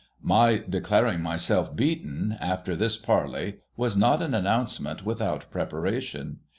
My declaring myself beaten, after this parley, was not an announce ment without preparation.